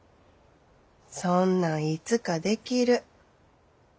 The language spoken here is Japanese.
そんなんいつかできる。